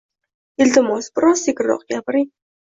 Iltimos, biroz sekinroq gapiring.